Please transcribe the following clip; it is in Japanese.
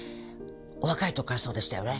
若い時からそうでしたよね。